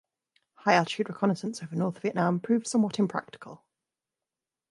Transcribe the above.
High-altitude reconnaissance over North Vietnam proved somewhat impractical.